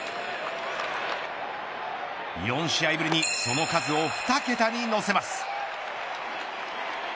４試合ぶりにその数を２桁に乗せます。